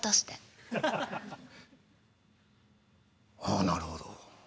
あなるほど。